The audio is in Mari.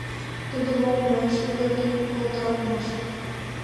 Тудо мом муэш, вигак йӱын колта улмаш.